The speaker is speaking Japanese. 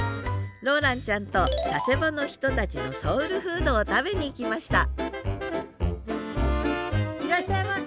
ローランちゃんと佐世保の人たちのソウルフードを食べにきましたいらっしゃいませ。